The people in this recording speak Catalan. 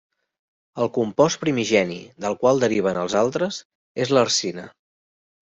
El compost primigeni del qual deriven els altres és l'arsina.